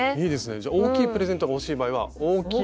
じゃあ大きいプレゼントが欲しい場合は大きい。